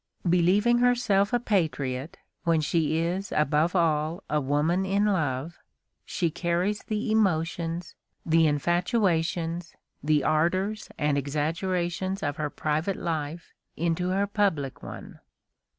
Believing herself a patriot when she is above all a woman in love, she carries the emotions, the infatuations, the ardors and exaggerations of her private life into her public one.